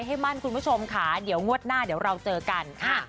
ให้มั่นคุณผู้ชมค่ะเดี๋ยวงวดหน้าเดี๋ยวเราเจอกันค่ะ